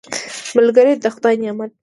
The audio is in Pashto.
ملګری د خدای نعمت دی